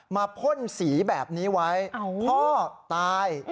พ่นสีแบบนี้ไว้พ่อตาย